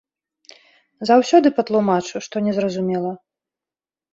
Заўсёды патлумачу, што незразумела.